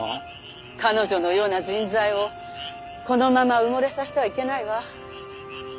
彼女のような人材をこのまま埋もれさせてはいけないわ。